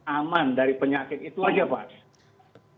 aman dari penyakit itu aja pak